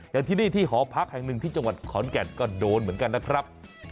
อย่างที่นี่ที่หอพักแห่งหนึ่งที่จังหวัดขอนแก่นก็โดนเหมือนกันนะครับ